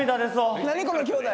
この兄弟。